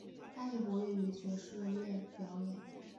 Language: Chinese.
他也活跃于爵士乐表演。